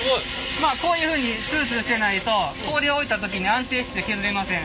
まあこういうふうにツルツルしてないと氷を置いた時に安定して削れません。